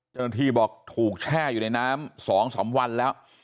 เจ้าหน้าที่บอกถูกแช่อยู่ในน้ำ๒๓วันแล้ว